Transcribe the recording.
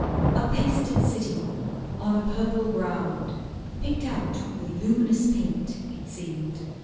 A pasted city on a purple ground, Picked out with luminous paint, it seemed.